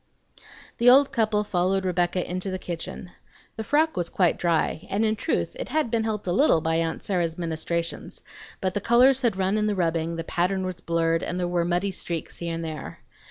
The old couple followed Rebecca into the kitchen. The frock was quite dry, and in truth it had been helped a little by aunt Sarah's ministrations; but the colors had run in the rubbing, the pattern was blurred, and there were muddy streaks here and there.